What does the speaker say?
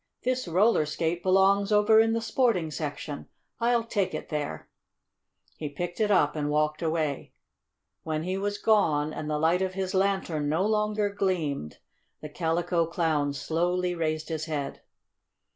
This roller skate belongs over in the sporting section. I'll take it there." He picked it up and walked away. When he was gone, and the light of his lantern no longer gleamed, the Calico Clown slowly raised his head.